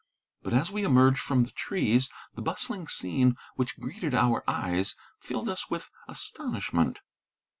But, as we emerged from the trees, the bustling scene which greeted our eyes filled us with astonishment.